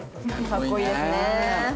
かっこいいですね。